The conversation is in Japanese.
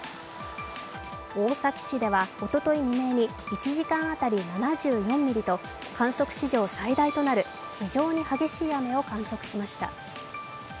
大崎市ではおととい未明に１時間あたり７４ミリと観測史上最大となる非常に激しい雨を観測しました。